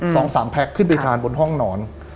สองสามแพ็คขึ้นไปทานบนห้องนอน